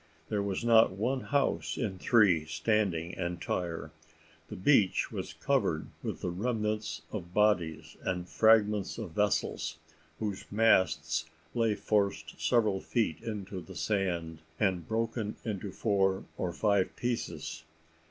There was not one house in three standing entire the beach was covered with the remnants of bodies and fragments of vessels, whose masts lay forced several feet into the sand, and broken into four or five pieces.